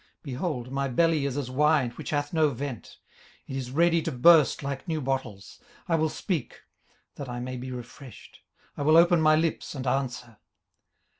18:032:019 Behold, my belly is as wine which hath no vent; it is ready to burst like new bottles. 18:032:020 I will speak, that I may be refreshed: I will open my lips and answer.